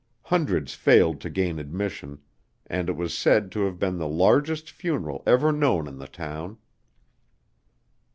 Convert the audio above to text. Hundreds failed to gain admission, and it was said to have been the largest funeral ever known in the town.